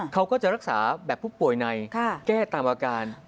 เขาก็จะรักษาแบบผู้ป่วยในแก้ตามอาการ